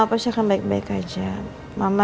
lagi butuh istirahat aja di rumah sakit sama omak omak